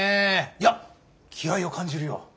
いや気合いを感じるよ。